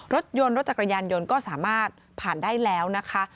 รถจักรยานยนต์รถจักรยานยนต์ก็สามารถผ่านได้แล้วนะคะ